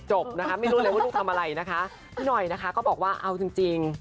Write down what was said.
จบนะคะไม่รู้เลยว่าลูกทำอะไรนะคะพี่หน่อยนะคะก็บอกว่าเอาจริงจริง